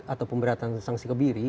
atau pemberatan sanksi kebiri